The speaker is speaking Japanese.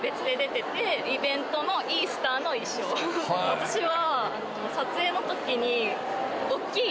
私は。